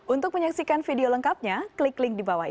untuk menyaksikan video lengkapnya klik link di bawah ini